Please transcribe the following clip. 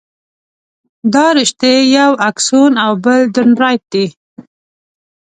دا رشتې یو اکسون او بل دنداریت دي.